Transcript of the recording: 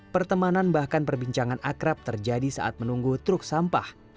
pertemanan bahkan perbincangan akrab terjadi saat menunggu truk sampah